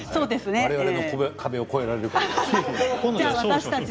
われわれの壁を越えられるか。